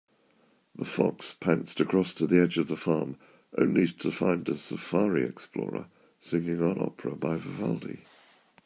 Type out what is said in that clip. The fox pounced across the edge of the farm, only to find a safari explorer singing an opera by Vivaldi.